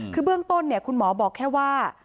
คือเบื้องต้นคุณหมอบอกแค่ว่า